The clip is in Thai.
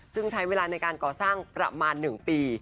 ซึ่งใช้เวลาในการก่อสร้างประมาณ๑ปี